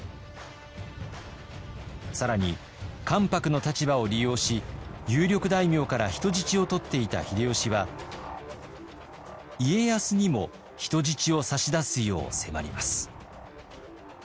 更に関白の立場を利用し有力大名から人質を取っていた秀吉は家康にも人質を差し出すよう迫ります。